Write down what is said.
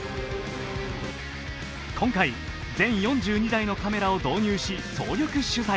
今回、全４２台のカメラを導入し、総力取材。